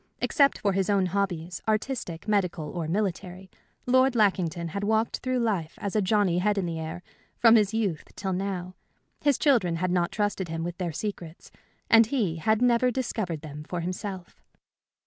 Except for his own hobbies, artistic, medical, or military, Lord Lackington had walked through life as a Johnny Head in Air, from his youth till now. His children had not trusted him with their secrets, and he had never discovered them for himself.